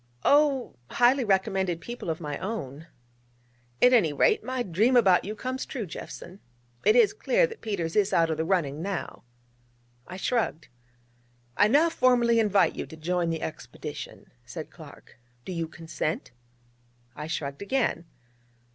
'Oh, highly recommended people of my own.' 'At any rate, my dream about you comes true, Jeffson. It is clear that Peters is out of the running now.' I shrugged. 'I now formally invite you to join the expedition,' said Clark: 'do you consent?' I shrugged again.